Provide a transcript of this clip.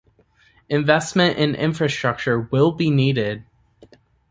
Investment in infrastructure will be needed.